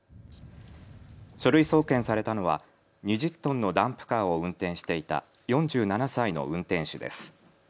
書類送検されたのは２０トンのダンプカーを運転していた４７歳の運転手です。